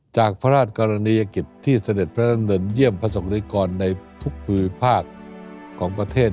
จากพระราชกรณียกิจที่เสด็จพระดำเนินเยี่ยมพระศกริกรในทุกภูมิภาคของประเทศ